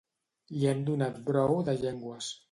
Li han donat brou de llengües.